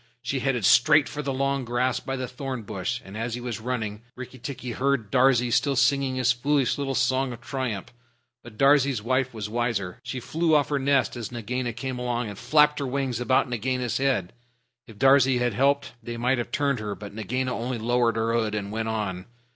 She headed straight for the long grass by the thorn bush, and as he was running Rikki tikki heard Darzee still singing his foolish little song of triumph. But Darzee's wife was wiser. She flew off her nest as Nagaina came along, and flapped her wings about Nagaina's head. If Darzee had helped they might have turned her, but Nagaina only lowered her hood and went on.